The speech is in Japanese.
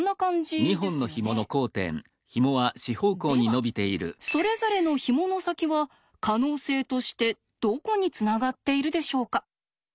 ではそれぞれのひもの先は可能性としてどこにつながっているでしょうか？